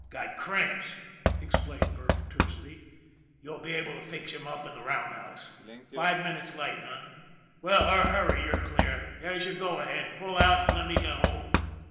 " Got cramps," explained Burke tersely. " You'll be able to fix him up in the roundhouse. Five minutes late, h'm? Well, hurry, you're clear. There's your * go ahead.' Pull out and let me get hold."